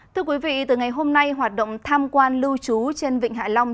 thưa quý vị từ ngày hôm nay hoạt động tham quan lưu trú trên vịnh hạ long